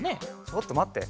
ちょっとまって。